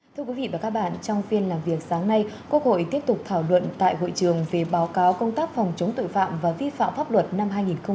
thưa quý vị và các bạn trong phiên làm việc sáng nay quốc hội tiếp tục thảo luận tại hội trường về báo cáo công tác phòng chống tội phạm và vi phạm pháp luật năm hai nghìn hai mươi ba